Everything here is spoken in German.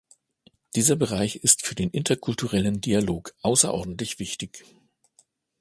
Dieser Bereich ist für den interkulturellen Dialog außerordentlich wichtig.